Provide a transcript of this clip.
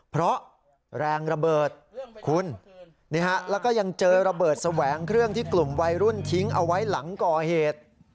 เพราะแรงระเบิดคุณนี่ฮะแล้วก็ยังเจอระเบิดแสวงเครื่องที่กลุ่มวัยรุ่นทิ้งเอาไว้หลังก่อเหตุ